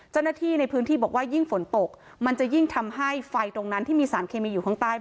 เจ้าหน้าที่ในพื้นที่บอกว่ายิ่งฝนตกมันจะยิ่งทำให้ไฟตรงนั้นที่มีสารเคมีอยู่ข้างใต้